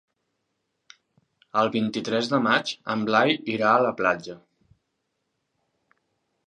El vint-i-tres de maig en Blai irà a la platja.